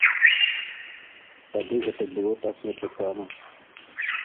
Тады гэта было так нечакана.